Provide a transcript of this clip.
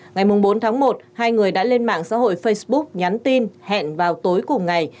ngày bốn tháng một hai người đã lên mạng xã hội facebook nhắn tin hẹn vào tối cùng ngày